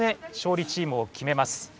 うりチームを決めます。